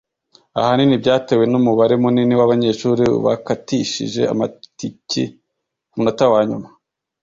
ahanini byatewe n’umubare munini w’abanyeshuri bakatishije amatiki ku munota wa nyuma